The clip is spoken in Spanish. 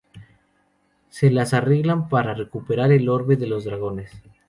Se las arreglan para recuperar el Orbe de los Dragones.